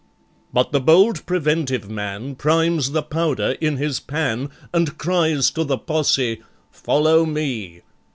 But the bold Preventive man Primes the powder in his pan And cries to the Posse, Follow me.